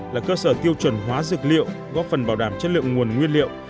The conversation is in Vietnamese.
là cơ sở tiêu chuẩn hóa dược liệu góp phần bảo đảm chất lượng nguồn nguyên liệu